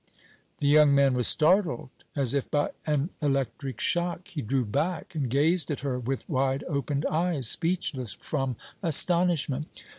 The young man was startled as if by an electric shock; he drew back and gazed at her with wide opened eyes, speechless from astonishment.